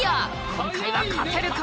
今回は勝てるか？